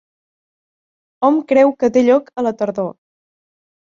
Hom creu que té lloc a la tardor.